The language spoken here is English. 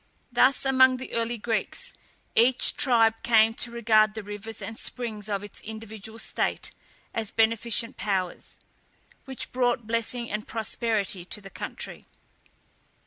Thus among the early Greeks, each tribe came to regard the rivers and springs of its individual state as beneficent powers, which brought blessing and prosperity to the country.